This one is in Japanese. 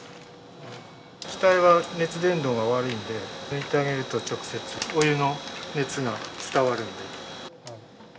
気体は熱伝導が悪いので、抜いてあげると、直接お湯の熱が伝わるので。